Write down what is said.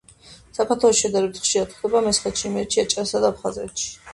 საქართველოში შედარებით ხშირად გვხვდება მესხეთში, იმერეთში, აჭარასა და აფხაზეთში.